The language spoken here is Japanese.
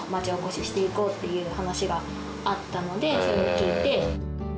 して行こうっていう話があったのでそれを聞いて。